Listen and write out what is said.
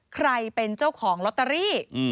ใครเป็นเจ้าของลอตเตอรี่